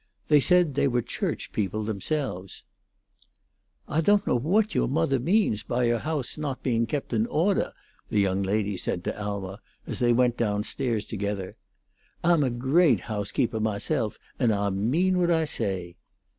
They said they were church people themselves. "Ah don't know what yo' mothah means by yo' hoase not being in oddah," the young lady said to Alma as they went down stairs together. "Ah'm a great hoasekeepah mahself, and Ah mean what Ah say."